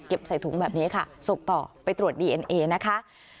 ใส่ถุงแบบนี้ค่ะส่งต่อไปตรวจดีเอ็นเอนะคะ